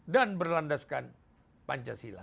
dan berlandaskan pancasila